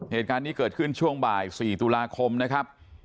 เหตุการณ์นี้เกิดขึ้นช่วงบ่าย๔ตุลาคมนะครับ